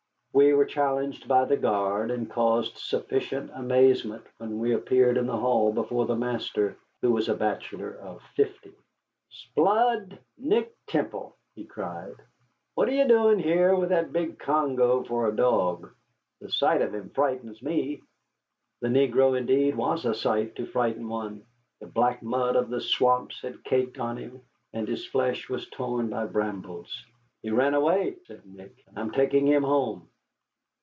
We were challenged by the guard, and caused sufficient amazement when we appeared in the hall before the master, who was a bachelor of fifty. "'Sblood, Nick Temple!" he cried, "what are you doing here with that big Congo for a dog? The sight of him frightens me." The negro, indeed, was a sight to frighten one. The black mud of the swamps was caked on him, and his flesh was torn by brambles. "He ran away," said Nick; "and I am taking him home."